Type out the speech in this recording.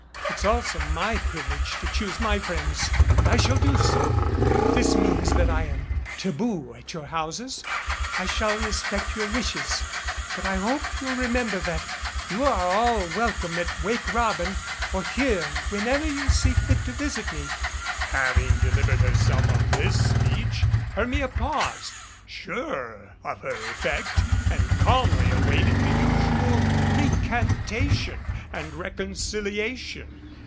It's also my privilege to choose my friends and I shall do so. If this means that I am taboo at your houses, I shall respect your wishes but I hope you'll remember that you are all welcome at 'Wake Robin' or here when ever you see fit to visit me." Having delivered herself of this speech, Hermia paused, sure of her effect, and calmly awaited the usual recantation and reconciliation.